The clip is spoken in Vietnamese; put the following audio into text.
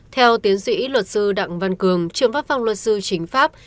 theo tiến sĩ luật sư đặng văn cường trưởng pháp phong luật sư chính pháp